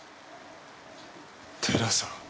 寺さん。